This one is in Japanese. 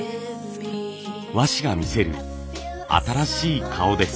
和紙が見せる新しい顔です。